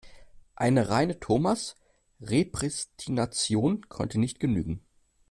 Eine reine Thomas-Repristination konnte nicht genügen.